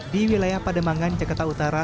di wilayah pademangan jakarta utara